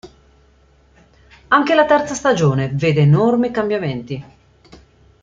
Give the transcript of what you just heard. Anche la terza stagione vede enormi cambiamenti.